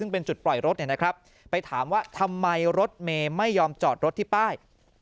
เป็นจุดปล่อยรถนะครับไปถามว่าทำไมรถเมไม่ยอมจอดรถที่ป้าย